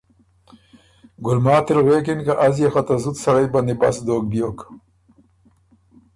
ګلماتی ل غوېکِن که ”ازيې خه ته زُت سړئ بندی بست دوک بیوک“۔